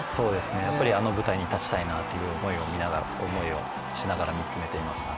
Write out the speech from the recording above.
やっぱりあの舞台に立ちたいなという思いをしながら見つめていました。